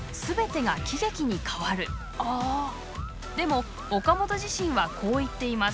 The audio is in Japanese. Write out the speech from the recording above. でも岡本自身はこう言っています。